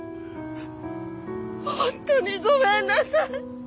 本当にごめんなさい。